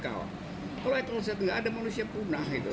kalau elektrol set nggak ada manusia punah